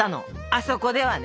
あそこではね。